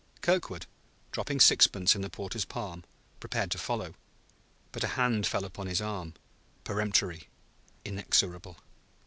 Kirkwood, dropping sixpence in the porter's palm, prepared to follow; but a hand fell upon his arm, peremptory, inexorable.